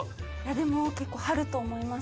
でも結構張ると思います。